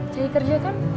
cari kerja kan